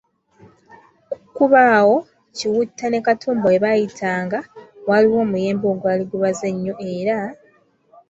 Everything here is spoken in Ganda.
Ku kkubo awo Kiwutta ne Katumba we baayitanga waaliwo omuyembe ogwali gubaze ennyo era